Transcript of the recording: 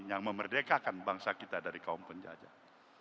yang memerdekakan bangsa kita dari kaum penjajah